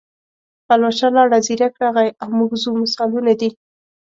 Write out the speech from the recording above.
پلوشه لاړه، زیرک راغی او موږ ځو مثالونه دي.